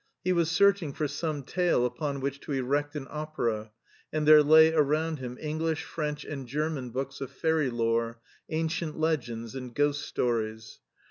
He was searching for some tale upon which to erect an opera, and there lay around him English, French, and German books of fairy lore, ancient legends and ghost stories.